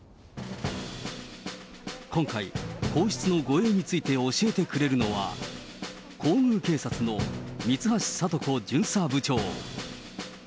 今回、皇室の護衛について教えてくれるのは、皇宮警察の三橋聡子巡査部長。